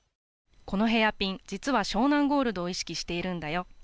このヘアピン、実は湘南ゴールドを意識しているんだよ。